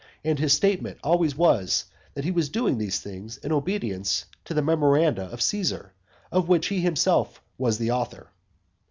And his statement always was, that he was doing these things in obedience to the memoranda of Caesar, of which he himself was the author.